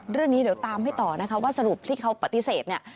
เรื่องนี้เดี๋ยวตามให้ต่อนะคะว่าสรุปที่เขาปฏิเสธเนี่ย